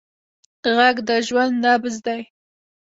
غږ د ژوند نبض دی